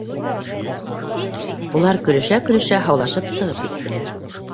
Улар көлөшә-көлөшә һаулашып сығып киттеләр.